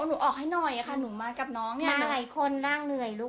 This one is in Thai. หนูออกให้หน่อยค่ะหนูมากับน้องเนี่ยมาหลายคนนั่งเหนื่อยลูก